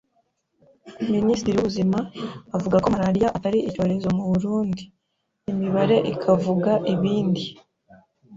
minisitiri w’ubuzima avuga ko Malaria atari icyorezo mu Burundi, imibare ikavuga ibindi